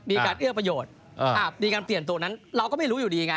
มีการเอื้อประโยชน์มีการเปลี่ยนตัวนั้นเราก็ไม่รู้อยู่ดีไง